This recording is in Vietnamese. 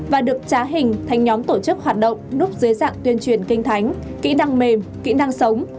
và được trá hình thành nhóm tổ chức hoạt động núp dưới dạng tuyên truyền kinh thánh kỹ năng mềm kỹ năng sống